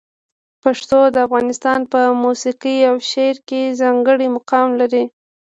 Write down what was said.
پښتو د افغانستان په موسیقي او شعر کې ځانګړی مقام لري.